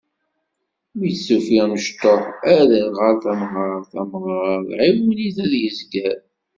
Mi d-tufiḍ amecṭuḥ, aderɣal, tamɣart, amɣar, ɛiwen-it ad yezger.